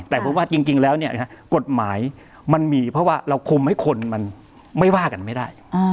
แต่ผมว่าจริงแล้วกฎหมายมันมีเพราะว่าเราคุมให้คนมันไม่ว่ากันไม่ได้